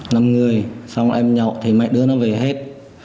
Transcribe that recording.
năm người xong rồi em nhậu thì mấy đứa nó về hết